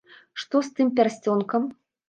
Што з тым пярсцёнкам?